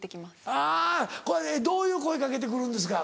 あぁどういう声掛けて来るんですか？